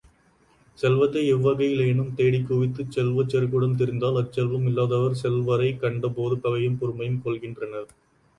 செல்வத்தை எவ்வகையிலேனும் தேடிக்குவித்துச் செல்வச் செருக்குடன் திரிந்தால் அச்செல்வம் இல்லாதவர் செல்வரைக் கண்டபோது பகையும் பொறுமையும் கொள்கின்றனர்.